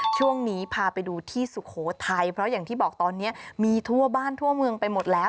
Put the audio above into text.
ช่วงนี้พาไปดูที่สุโขทัยเพราะอย่างที่บอกตอนนี้มีทั่วบ้านทั่วเมืองไปหมดแล้ว